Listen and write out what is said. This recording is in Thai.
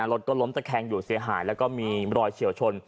รถก็ล้มตะแคงอยู่เสียหายแล้วก็มีรอยเฉียวชน